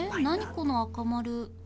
この赤丸。